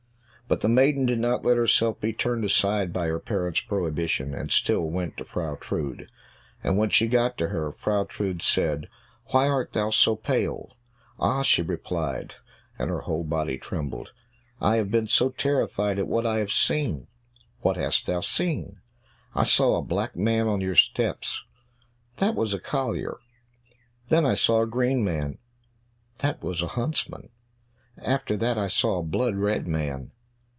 But the maiden did not let herself be turned aside by her parent's prohibition, and still went to Frau Trude. And when she got to her, Frau Trude said, "Why art thou so pale?" "Ah," she replied, and her whole body trembled, "I have been so terrified at what I have seen." "What hast thou seen?" "I saw a black man on your steps." "That was a collier." "Then I saw a green man." "That was a huntsman." "After that I saw a blood red man."